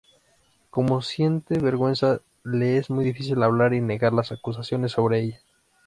Cuando siente vergüenza le es muy difícil hablar y negar las acusaciones sobre ella.